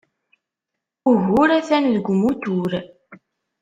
Ugur atan deg umutur.